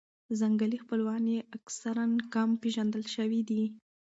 ځنګلي خپلوان یې اکثراً کم پېژندل شوي دي.